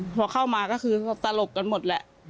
พอเข้ามาก็คือตลกกันหมดแหละ